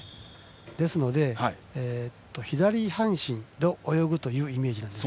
ですので、左半身で泳ぐというイメージです。